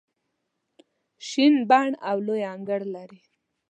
شین بڼ او لوی انګړ لري.